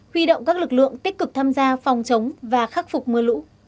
huy động các lực lượng tích cực tham gia phòng chống và khắc phục mưa lũ